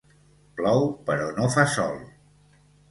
Plou però no fa sol.